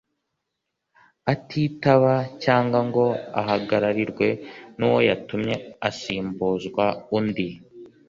Atitaba cyangwa ngo ahagararirwe nuwo yatumye asimbuzwa undi